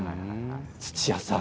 土屋さん。